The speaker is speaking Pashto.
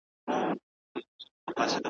د ده له تأليفاتو څخه دي